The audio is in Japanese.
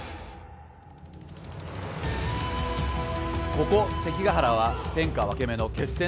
ここ関ケ原は天下分け目の決戦の地。